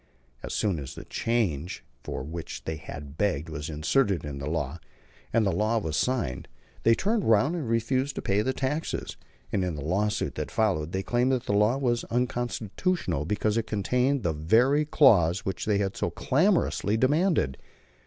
As soon as the change for which they had begged was inserted in the law, and the law was signed, they turned round and refused to pay the taxes; and in the lawsuit that followed, they claimed that the law was unconstitutional, because it contained the very clause which they had so clamorously demanded.